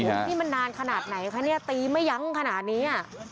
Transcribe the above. นี่มันนานขนาดไหนคะเนี่ยตีไม่ยั้งขนาดนี้